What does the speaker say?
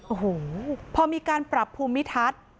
โอ้โหพอมีการปรับภูมิทัศน์